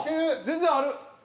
全然ある！